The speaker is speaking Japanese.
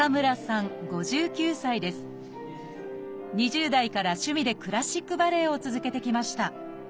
２０代から趣味でクラシックバレエを続けてきました。